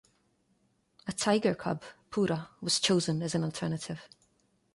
A tiger cub, Pura, was chosen as an alternative.